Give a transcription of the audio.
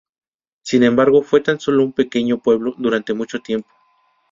Sin embargo, fue tan sólo un pequeño pueblo durante mucho tiempo.